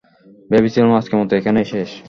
ভেবেছিলাম, আজকের মতো এখানেই শেষ?